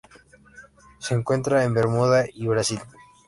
Se encuentra en Bermuda y Brasil.